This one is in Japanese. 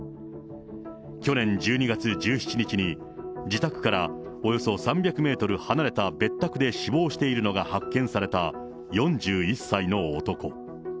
去年１２月１７日に自宅からおよそ３００メートル離れた別宅で死亡しているのが発見された４１歳の男。